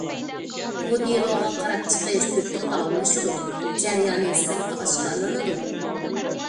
بۇ دېلوغا قاراپ چىقىش تۆت كۈن داۋاملىشىدۇ، جەريانى سىرتقا ئاشكارىلىنىدۇ.